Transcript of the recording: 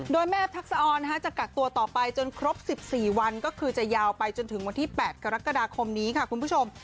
โดยแม่ทักษะออนจะกักตัวต่อไปจนครบ๑๔วันก็คือจะยาวไปจนถึงวันที่๘กรกฎาคมนี้ค่ะคุณผู้ชม